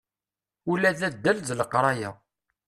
Ula d addal d leqraya.